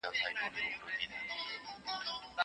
وروسته يې ګل اول اغزى دئ دادئ در به يې كړم